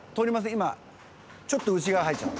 今ちょっと内側入っちゃった。